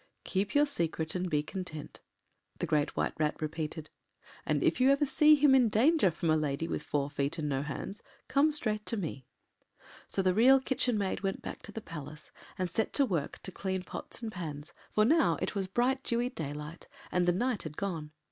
” “Keep your secret and be content,” the Great White Rat repeated, “and if ever you see him in danger from a lady with four feet and no hands, come straight to me.” So the Real Kitchen Maid went back to the Palace, and set to work to clean pots and pans, for now it was bright dewy daylight, and the night had gone.